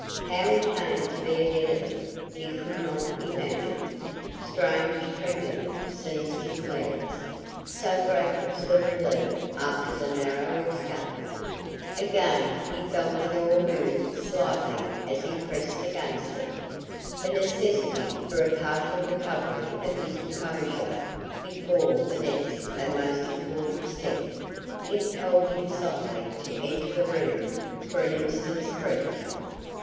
How he came to be ahead of them he could not imagine. Strange trembling seized his legs, so great was the relief after the narrow escape. Again he felt the door move slightly as he pressed against it. The necessity for a partial recovery of his composure before the next and most important step, impelled him softly to enter the room for an instant's breath.